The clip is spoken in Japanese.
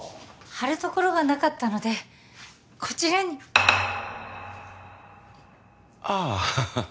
貼るところがなかったのでこちらにああハハ